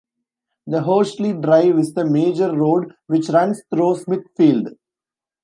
The Horsley Drive is the major road which runs through Smithfield.